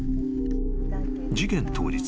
［事件当日。